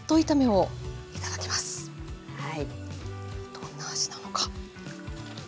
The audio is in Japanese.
どんな味なのか。